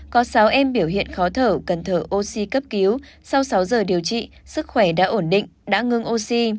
có sáu em biểu hiện khó thở cần thở oxy cấp cứu sau sáu giờ điều trị sức khỏe đã ổn định đã ngưng oxy